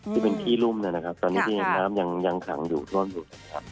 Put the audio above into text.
ที่เป็นที่รุ่มนะครับตอนนี้ที่น้ำน้ำยังขังอยู่ทวนอยู่